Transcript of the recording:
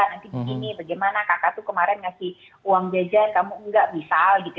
nanti begini bagaimana kakak itu kemarin ngasih uang jajan kamu enggak